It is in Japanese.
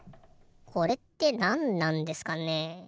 これってなんなんですかね？